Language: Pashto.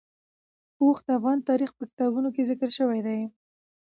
اوښ د افغان تاریخ په کتابونو کې ذکر شوی دي.